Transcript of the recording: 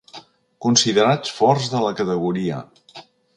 Considerats forts de la categoria.